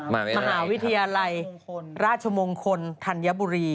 มหาวิทยาลัยราชมงคลธัญบุรี